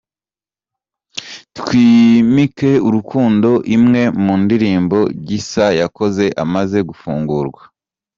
Twimike urukundo, imwe mu ndirimbo Gisa yakoze amaze gufungurwa.